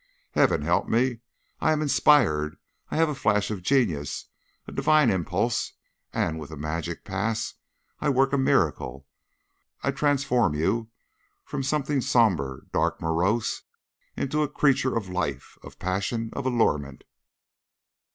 "Heaven help me! I am inspired; I have a flash of genius, a divine impulse, and with a magic pass I work a miracle. I transform you from something somber, dark, morose, into a creature of life, of passion, of allurement."